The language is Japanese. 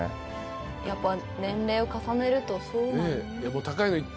やっぱ年齢を重ねるとそうなんだ。